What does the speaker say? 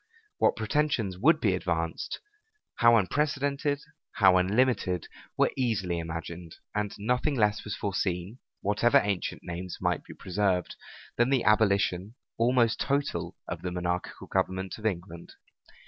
What pretensions would be advanced, how unprecedented, how unlimited, were easily imagined; and nothing less was foreseen, whatever ancient names might be preserved, than an abolition, almost total, of the monarchical government of England.